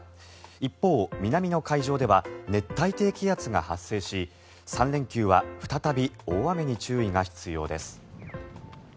一方、南の海上では熱帯低気圧が発生し３連休は再び大雨に注意が必要です。